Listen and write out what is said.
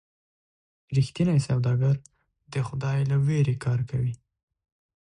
رښتینی سوداګر د خدای له ویرې کار کوي.